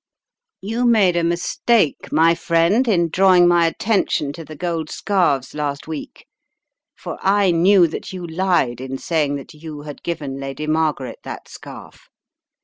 "You made a mistake, my friend, in drawing my attention to the gold scarves last week for I knew that you lied in saying that you had given Lady Margaret that scarf.